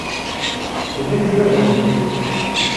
J’ai le même jeu à la maison.